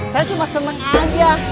saya cuma seneng aja